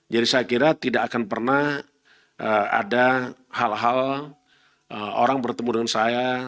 jadi saya kira tidak akan pernah ada hal hal orang bertemu dengan saya